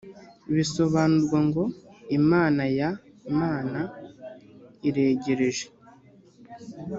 bisobanurwa ngo imanaymana iregereje